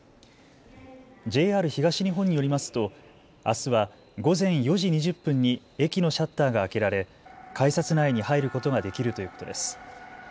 ＪＲ東日本によりますとあすは午前４時２０分に駅のシャッターが開けられ改札内に入ることができるということです。